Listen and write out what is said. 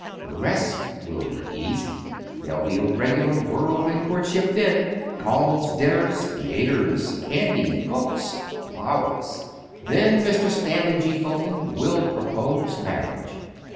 The rest will be easy. There'll be a regular whirlwind courtship then—calls, dinners, theaters, candy, books, flowers! Then Mr. Stanley G. Fulton will propose marriage.